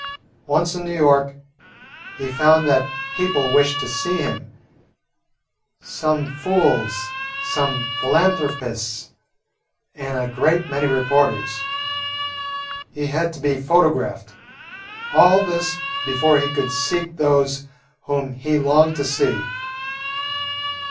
Once in New York, he found that people wished to see him, some fools, some philanthropists, and a great many reporters. He had to be photographed all this before he could seek those whom he longed to see.